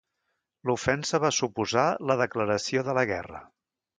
L'ofensa va suposar la declaració de la guerra.